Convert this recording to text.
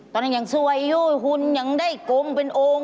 ตอนนั้นยังสวยอยู่หุ่นยังได้กงเป็นองค์